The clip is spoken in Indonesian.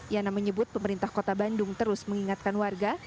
yana menyebut pemerintah kota bandung terus mengingatkan warga